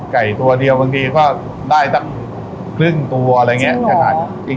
ตัวเดียวบางทีก็ได้สักครึ่งตัวอะไรอย่างนี้